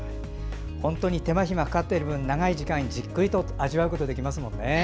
本当に手間暇かかってる分長い時間じっくりと味わうことができますもんね。